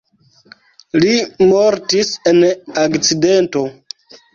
Li mortis en akcidento.